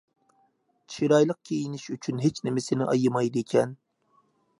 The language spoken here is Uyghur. چىرايلىق كىيىنىش ئۈچۈن ھېچنېمىسىنى ئايىمايدىكەن.